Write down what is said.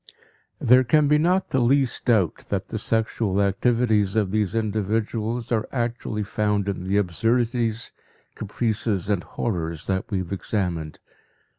There can be not the least doubt that the sexual activities of these individuals are actually found in the absurdities, caprices and horrors that we have examined.